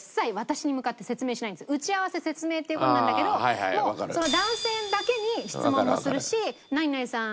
打ち合わせ説明っていう事なんだけどもうその男性だけに質問もするし何々さん